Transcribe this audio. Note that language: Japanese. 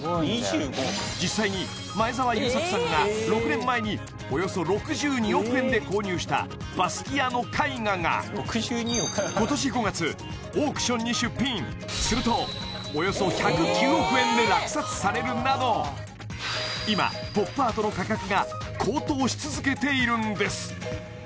実際に前澤友作さんが６年前におよそ６２億円で購入したバスキアの絵画が今年５月オークションに出品するとおよそ１０９億円で落札されるなど今し続けているんです